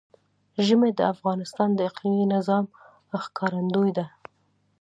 ژمی د افغانستان د اقلیمي نظام ښکارندوی ده.